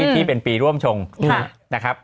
ที่เป็นปีร่วมชงนะครับ